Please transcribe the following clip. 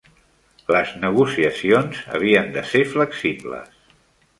Les negociacions havien de ser flexibles.